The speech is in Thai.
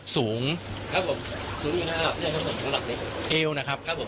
สูงครับผมสูงอยู่ข้างหลับเนี่ยครับผมข้างหลับนี้เอวนะครับครับผม